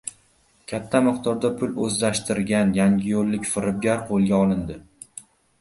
Katta miqdorda pul o‘zlashtirgan yangiyo‘llik firibgar qo‘lga olindi